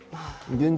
現状